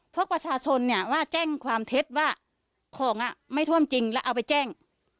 เพราะประชาชนเนี่ยว่าแจ้งความเท็จว่าของไม่ท่วมจริงแล้วเอาไปแจ้ง